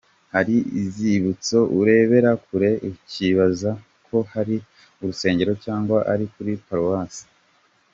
Hari inzibutso urebera kure ukibaza ko hari urusengero cyangwa ari kuri Paruwasi.